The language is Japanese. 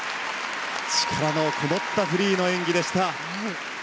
力のこもったフリーの演技でした。